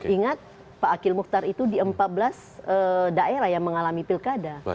ingat pak akil mukhtar itu di empat belas daerah yang mengalami pilkada